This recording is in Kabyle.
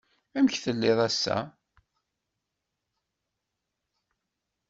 Amek tellid ass-a?